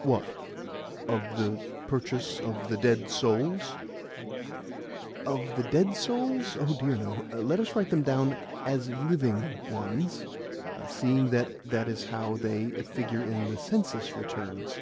"What? Of the purchase of the dead souls?" "Of the 'dead' souls? Oh dear no! Let us write them down as LIVING ones, seeing that that is how they figure in the census returns.